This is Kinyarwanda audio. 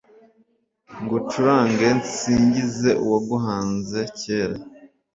Ngucurange nsingize uwaguhanze kera